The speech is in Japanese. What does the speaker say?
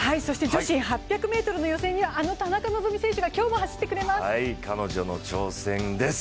女子８００ｍの予選にはあの田中希実選手が今日も走ってくれます。